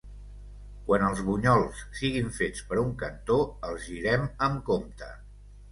Quan els bunyols siguin fets per un cantó, els girem amb compte.